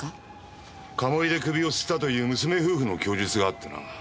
鴨居で首をつったという娘夫婦の供述があってな。